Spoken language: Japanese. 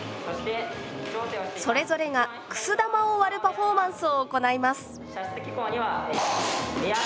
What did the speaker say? それぞれがくす玉を割るパフォーマンスを行います。